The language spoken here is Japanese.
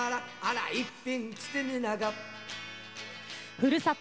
ふるさと